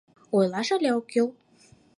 Ойлаш але ок кӱл?..